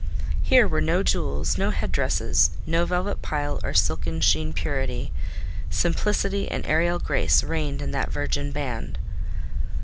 Here were no jewels, no head dresses, no velvet pile or silken sheen: purity, simplicity, and aërial grace reigned in that virgin band.